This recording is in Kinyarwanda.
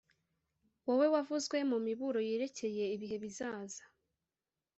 wowe wavuzwe mu miburo yerekeye ibihe bizaza,